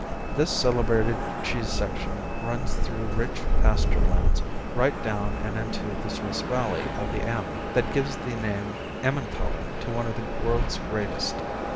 This celebrated cheese section runs through rich pasture lands right down and into the Swiss Valley of the Emme that gives the name Emmentaler to one of the world's greatest.